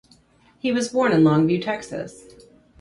He was born in Longview, Texas.